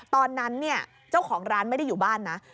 ตอนนั้นเนี่ยเจ้าของร้านไม่ได้อยู่บ้านนะ